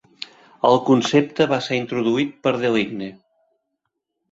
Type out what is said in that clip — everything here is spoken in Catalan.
El concepte va ser introduït per Deligne.